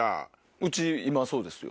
家今そうですよ。